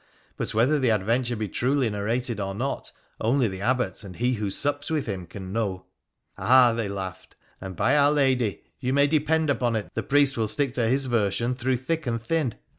But whether the adventure be truly nar rated or not only the Abbot and he who supped with him can know.' ' Ah !' they laughed, ' and, by Our Lady ! you may depend upon it the priest will stick to his version through thick and thin.'